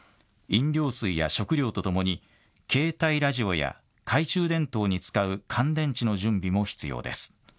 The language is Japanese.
飲料水や食料と共に携帯ラジオや懐中電灯に使う乾電池の準備も必要です。